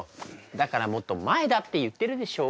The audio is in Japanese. だからもっと前だって言ってるでしょう。